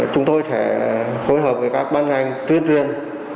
chúng tôi sẽ phối hợp với các ban ngành tuyên truyền